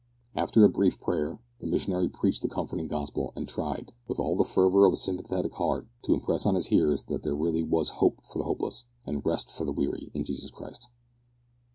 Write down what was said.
After a brief prayer the missionary preached the comforting gospel, and tried, with all the fervour of a sympathetic heart, to impress on his hearers that there really was Hope for the hopeless, and Rest for the weary in Jesus Christ.